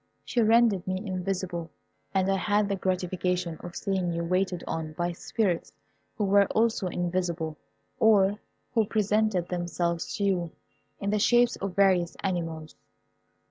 She rendered me invisible, and I had the gratification of seeing you waited on by spirits who were also invisible, or who presented themselves to you in the shapes of various animals.